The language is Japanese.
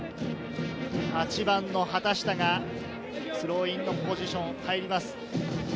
８番の畑下がスローインのポジションに入ります。